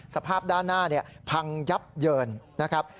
สภาพด้านหน้าพังยับเยินนะครับ